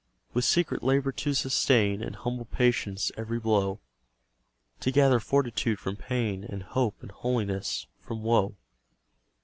With secret labour to sustain In humble patience every blow; To gather fortitude from pain, And hope and holiness from woe.